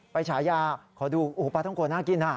ไปฉายาขอดูปลาต้องโกะน่ากิน